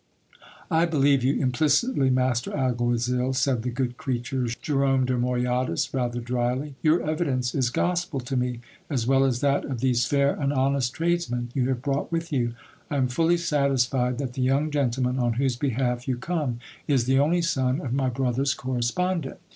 I believe you implicitly, master alguazil, 178 GIL BLAS. said the good creature Jerome de Moyadas, rather drily. Your evidence is gospel to me, as well as that of these fair and honest tradesmen you have brought with you. I am fully satisfied that the young gentleman on whose behalf you come is the only son of my brother's correspondent.